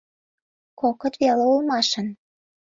Кокыт веле улмашын